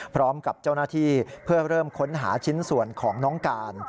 พร้อมกับเจ้าหน้าที่เพื่อเริ่มค้นหาชิ้นส่วนของน้องการ